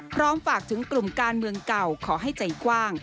พร้อมฝากถึงกลุ่มการเมืองเก่าขอให้ใจกว้าง